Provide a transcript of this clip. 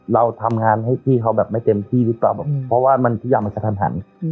เราทำงานให้พี่เขาแบบไม่เต็มที่หรือเปล่าเพราะว่าทุกอย่างมันกระทันหัน